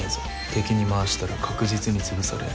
敵に回したら確実に潰される。